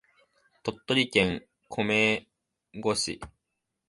鳥取県米子市